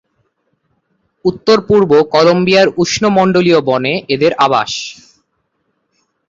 উত্তরপূর্ব কলম্বিয়ার উষ্ণমণ্ডলীয় বনে এদের আবাস।